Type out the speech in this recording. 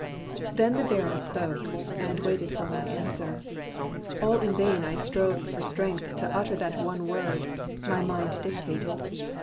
Then the Baron spoke, And waited for my answer. All in vain I strove for strength to utter that one word My mind dictated.